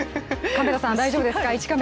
カメラさん、大丈夫ですか？